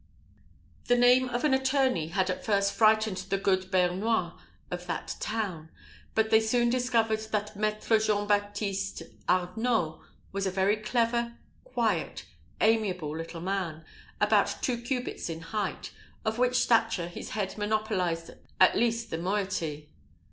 The name of an attorney had at first frightened the good Bearnois of that town; but they soon discovered that Maître Jean Baptiste Arnault was a very clever, quiet, amiable, little man, about two cubits in height, of which stature his head monopolised at least the moiety.